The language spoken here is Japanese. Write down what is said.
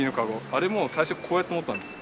あれも最初こうやって持ったんです。